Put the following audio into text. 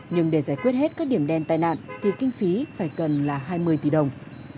nhưng để giải quyết hết các điểm đen tai nạn thì kinh phí phải cần là hai mươi tỷ đồng